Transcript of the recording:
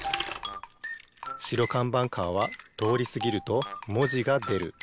白かんばんカーはとおりすぎるともじがでる。